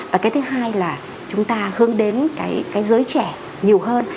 và cái thứ hai là chúng ta hướng đến cái giới trẻ nhiều hơn